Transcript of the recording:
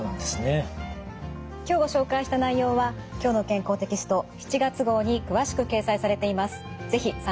今日ご紹介した内容は「きょうの健康」テキスト７月号に詳しく掲載されています。